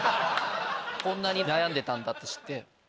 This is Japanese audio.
こんなに悩んでたんだって知って。